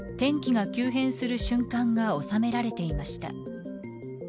天気が急変する瞬間が収められていました。